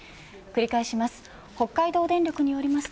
繰り返します。